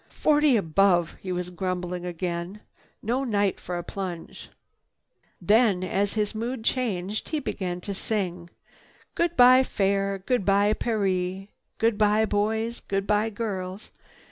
"Forty above!" he was grumbling again. "No night for a plunge." Then as his mood changed, he began to sing, "Goodbye Fair! Goodbye Paree! Goodbye boys! Goodbye girls!